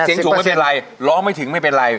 เสียงถูกไม่เป็นไรร้องไม่ถึงไม่เป็นไร